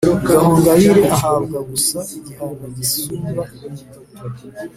gahongayire ahabwa gusa igihano gisumba ibindi